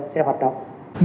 sẽ hoạt động